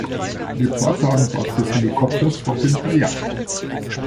Reporter an Bord des Helikopters war Günther Jauch.